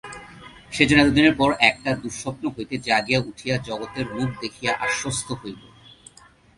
সে যেন এতদিনের পর একটা দুঃস্বপ্ন হইতে জাগিয়া উঠিয়া জগতের মুখ দেখিয়া আশ্বস্ত হইল।